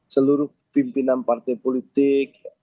seluruh pimpinan partai politik